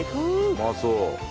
うまそう。